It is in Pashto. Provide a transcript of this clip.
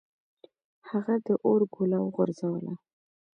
هغه د اور ګوله وغورځوله.